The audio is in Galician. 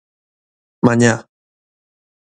Mañá.